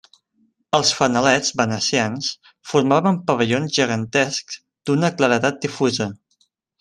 Els fanalets venecians formaven pavellons gegantescs d'una claredat difusa.